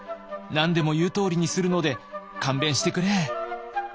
何でも言うとおりにするので勘弁してくれ」。